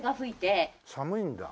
寒いんだ。